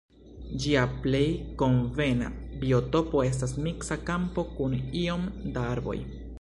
Ĝia plej konvena biotopo estas miksa kampo kun iom da arboj.